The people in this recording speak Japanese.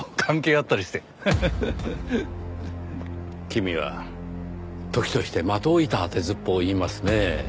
君は時として的を射た当てずっぽうを言いますねぇ。